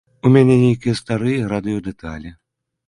У мяне нейкія старыя радыёдэталі.